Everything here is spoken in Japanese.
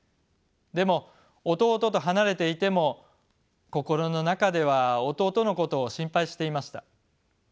でも弟と離れていても心の中では弟のことを心配していました。